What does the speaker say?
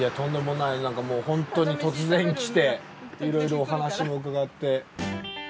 なんかもうホントに突然来ていろいろお話も伺って。